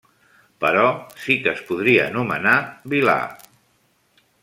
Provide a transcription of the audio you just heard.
Però sí que es podria anomenar vil·là.